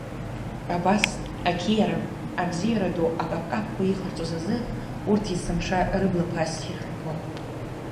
Абас ақьиара, абзиара ду акаԥкаԥқәа иҟарҵоз азы, урҭ есымша рыблақәа ассир рбон.